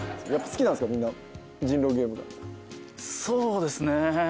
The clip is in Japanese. そうですね。